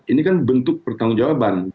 ini kan bentuk pertanggung jawaban